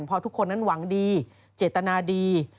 เพราะทุกคนนั้นหวังดีเจตนาดี